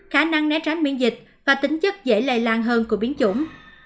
khả năng né tránh miễn dịch và tính chất dễ lây lan hơn của biến chủng